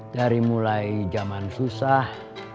dari mulai zaman susah